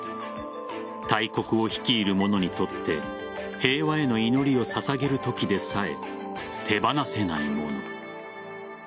大国を率いる者にとって平和への祈りを捧げるときでさえ手放せないもの。